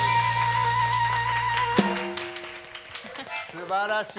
すばらしい。